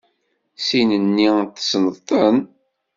Sin-nni tessneḍ-ten?